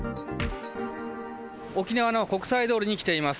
沖縄の国際通りに来ています。